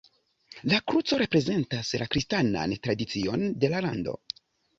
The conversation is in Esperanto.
La kruco reprezentas la kristanan tradicion de la lando.